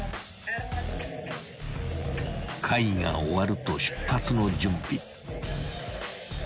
［会議が終わると出発の準備］